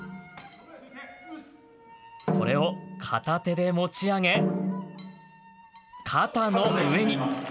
それを片手で持ち上げ、肩の上に。